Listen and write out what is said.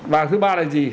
và thứ ba là gì